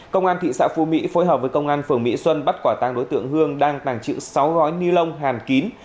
công an thị xã phú mỹ phối hợp với công an phường mỹ xuân bắt quả tăng đối tượng hương đang tàng trữ sáu gói ni lông hàn kín